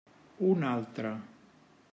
Un altre.